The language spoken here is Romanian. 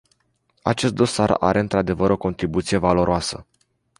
Acest dosar are într-adevăr o contribuție valoroasă.